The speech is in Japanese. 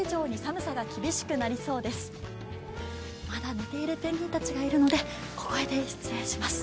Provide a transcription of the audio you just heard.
眠っているペンギンたちがいるので小声で失礼します。